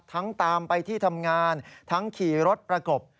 ตามไปที่ทำงานทั้งขี่รถประกบ